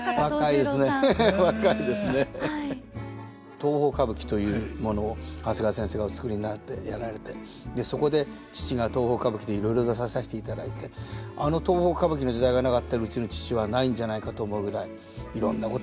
東宝歌舞伎というものを長谷川先生がお作りになってやられてそこで父が東宝歌舞伎でいろいろ出ささしていただいてあの東宝歌舞伎の時代がなかったらうちの父はないんじゃないかと思うぐらいいろんなこと